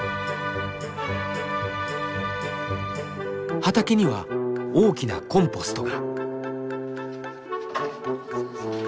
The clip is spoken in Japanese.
畑には大きなコンポストが。